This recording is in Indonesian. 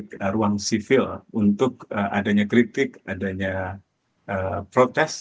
yang pertama adalah ruang sivil untuk adanya kritik adanya protes